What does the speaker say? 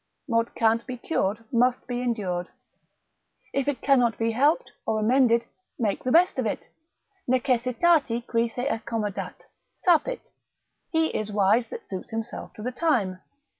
What can't be cured must be endured. If it cannot be helped, or amended, make the best of it; necessitati qui se accommodat, sapit, he is wise that suits himself to the time.